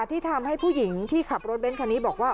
ที่ทำให้ผู้หญิงที่ขับรถเบ้นคันนี้บอกว่า